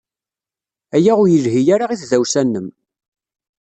Aya ur yelhi ara i tdawsa-nnem.